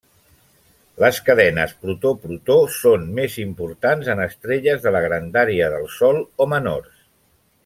Les cadenes protó-protó són més importants en estrelles de la grandària del Sol o menors.